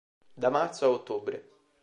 Da marzo a ottobre.